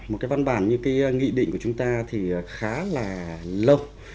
một cái văn bản như cái nghị định của chúng ta thì khá là lâu